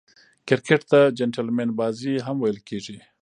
کرکټ ته "جېنټلمن بازي" هم ویل کیږي.